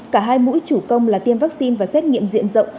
cả hai mũi chủ công là tiêm vaccine và xét nghiệm diện rộng